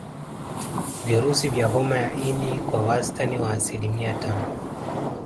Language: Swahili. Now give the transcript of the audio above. Virusi vya homa ya ini kwa wastani wa asilimia tano